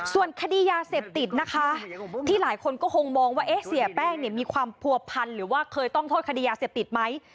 ส่วนคดียาเสพติดนะคะที่หลายคนก็คงมองว่าเสียแป้งเนี่ยมีความผัวพันหรือว่าเคยต้องโทษคดียาเสพติดไหม